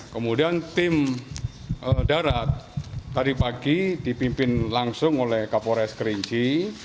kemudian tim darat tadi pagi dipimpin langsung oleh kapolres kerinci